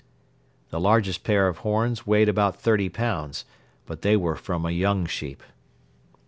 The largest pair of horns weighed about thirty pounds, but they were from a young sheep.